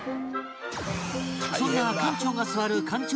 そんな艦長が座る艦長